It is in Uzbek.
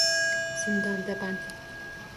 Zindonda band